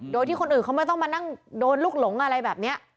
โดยที่คนอื่นเขาไม่ต้องมานั่งโดนลูกหลงอะไรแบบนี้